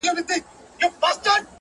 د ژوندون ساه د ژوند وږمه ماته كړه!